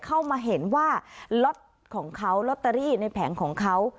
เข้ามาเห็นว่าล็อตของเขาลอตเตอรี่ในแผงของเขา